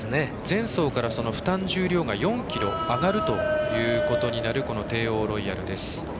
前走から負担重量が４ｋｇ上がるということになるテーオーロイヤルです。